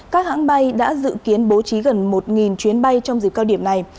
các hãng bay đã dự kiến bố trí gần một chuyến bay trong dịp cao điểm này